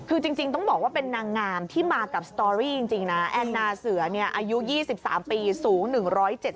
คือจริงต้องบอกว่าเป็นนางงามที่มากับสตอรี่จริงนะแอนนาเสือเนี่ยอายุ๒๓ปีสูง๑๗๐